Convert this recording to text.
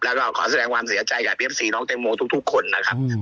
แล้วก็ขอแสดงความเสียใจกับพี่เอฟซีน้องแตงโมทุกคนนะครับ